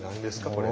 これ。